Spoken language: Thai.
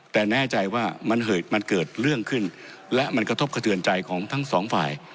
แต่แน่ใจว่ามันเกิดเรื่องขึ้นและมันกระทบกระเทือนใจของทั้งสองฝ่าย